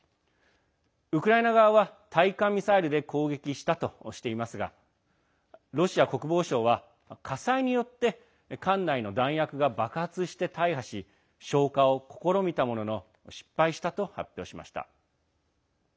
ウクライナ側は対艦ミサイルで攻撃したとしていますがロシア国防省は火災によって艦内の弾薬が爆発して大破し消火を試みたものの失敗したと発表しました。